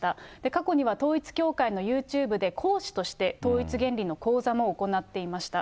過去には統一教会のユーチューブで、講師として統一原理の講座も行っていました。